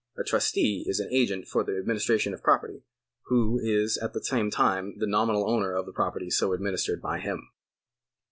A trustee is an agent for the administration of property, who is at the same time the nominal owner of the property so administered by him.